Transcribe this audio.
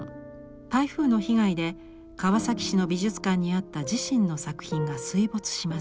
台風の被害で川崎市の美術館にあった自身の作品が水没します。